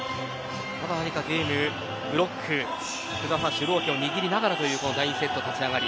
ゲーム、ブロック主導権を握りながらという第２セットの立ち上がり。